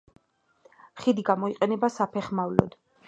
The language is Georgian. ხიდი გამოიყენება საფეხმავლოდ.